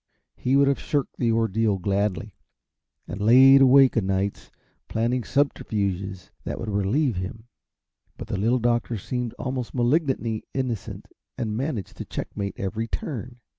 He would have shirked the ordeal gladly, and laid awake o' nights planning subterfuges that would relieve him, but the Little Doctor seemed almost malignantly innocent and managed to checkmate every turn.